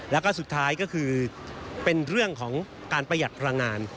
แล้วก็สุดท้ายก็คือเป็นเรื่องของการประหยัดพลังงาน